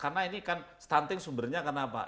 karena ini kan stunting sumbernya karena apa